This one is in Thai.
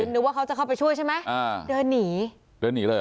นึกว่าเขาจะเข้าไปช่วยใช่ไหมเดินหนี